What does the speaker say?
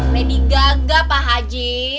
lidi gaga pak haji